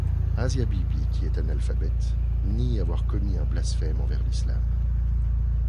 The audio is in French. Asia Bibi, qui est analphabète, nie avoir commis un blasphème envers l'islam.